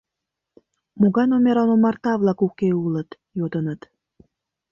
— Могай номеран омарта-влак уке улыт? — йодыныт.